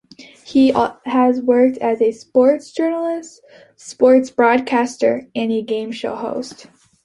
He has worked as a sports journalist, sports broadcaster and game show host.